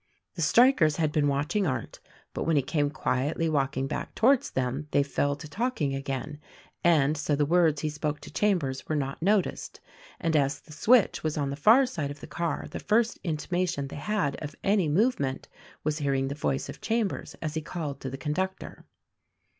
The strikers had been watching Arndt; but when he came quietly walking back towards them they fell to talk ing again, and so the words he spoke to Chambers were not noticed; and as the switch was on the far side of the car the first intimation they had of any movement was hearing the voice of Chambers as he called to the con ductor.